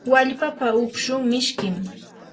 wallpapa ukshun mishkim.